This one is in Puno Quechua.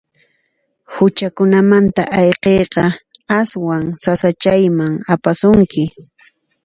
Huchakunamanta ayqiyqa aswan sasachayman apasunki.